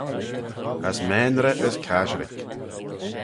As maynrey as casherick.